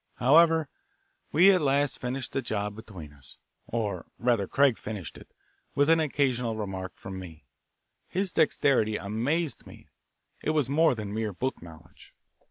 However, we at last finished the job between us; or rather Craig finished it, with an occasional remark from me. His dexterity amazed me; it was more than mere book knowledge.